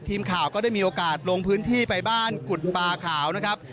ทีมข่าวก็ได้มีโอกาสลงพื้นที่ไปบ้านกุฎปลาขาวนะครับ